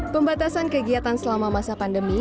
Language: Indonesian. pembatasan kegiatan selama masa pandemi